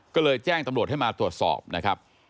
ก็เลยแจ้งตำรวจให้มาตรวจสอบนะครับ